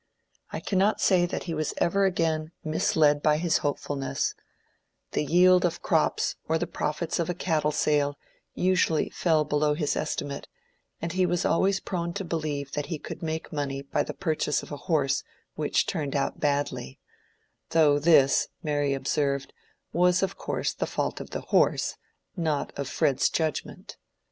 I cannot say that he was never again misled by his hopefulness: the yield of crops or the profits of a cattle sale usually fell below his estimate; and he was always prone to believe that he could make money by the purchase of a horse which turned out badly—though this, Mary observed, was of course the fault of the horse, not of Fred's judgment.